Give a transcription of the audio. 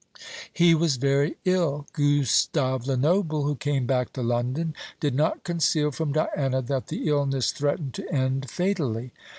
He was very ill. Gustave Lenoble, who came back to London, did not conceal from Diana that the illness threatened to end fatally.